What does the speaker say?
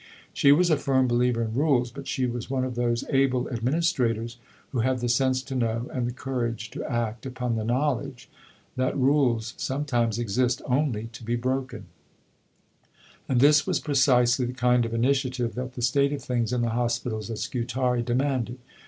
She was a firm believer in rules; but she was one of those able administrators who have the sense to know, and the courage to act upon the knowledge, that rules sometimes exist only to be broken. I take them from Pincoffs, pp. 58, 79. And this was precisely the kind of initiative that the state of things in the hospitals at Scutari demanded.